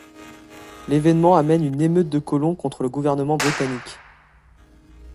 L'événement amène une émeute des colons contre le gouvernement britannique.